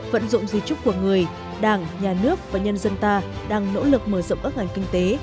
vận dụng di trúc của người đảng nhà nước và nhân dân ta đang nỗ lực mở rộng các ngành kinh tế